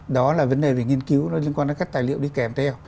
đó là vấn đề về nghiên cứu nó liên quan đến các tài liệu đi kèm theo